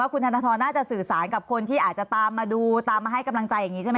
คุณธนาทรน่าจะสื่อสารกับคนที่ตามมาดูตามมาให้กำลังใจใช่ไหมคะ